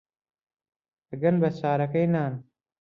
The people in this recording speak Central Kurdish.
ئەگەن بە چارەکەی نان